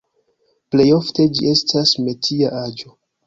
Plej ofte ĝi estas metia aĵo.